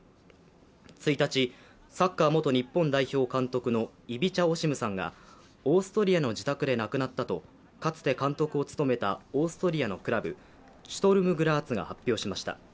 １日、サッカー元日本代表監督のイビチャ・オシムさんがオーストリアの自宅で亡くなったとかつて監督を務めたオーストリアのクラブシュトルム・グラーツが発表しました。